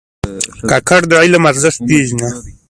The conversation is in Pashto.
کاکړ د علم ارزښت پېژني.